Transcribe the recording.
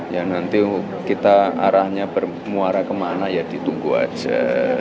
ya nanti kita arahnya bermuara kemana ya ditunggu aja